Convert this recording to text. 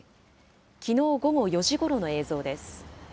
きのう午後４時ごろの映像です。